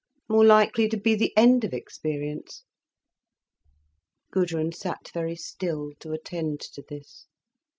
"More likely to be the end of experience." Gudrun sat very still, to attend to this.